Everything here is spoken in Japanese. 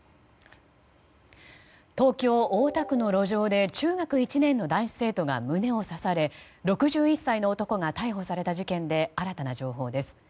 東京・大田区の路上で中学１年の男子生徒が胸を刺され６１歳の男が逮捕された事件で新たな情報です。